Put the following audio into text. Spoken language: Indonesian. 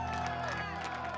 sampai aku berhenti